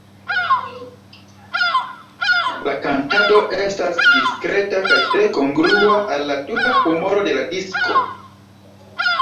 La kantado estas diskreta kaj tre kongrua al la tuta humoro de la disko.